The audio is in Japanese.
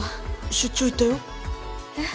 出張行ったよえっ？